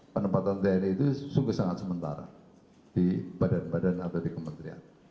penempatan tni itu sungguh sangat sementara di badan badan atau di kementerian